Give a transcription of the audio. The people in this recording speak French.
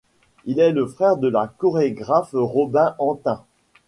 Il est le frère de la chorégraphe Robin Antin.